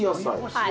はい。